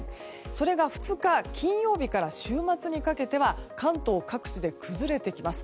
それが２日、金曜日から週末にかけては関東各地で崩れてきます。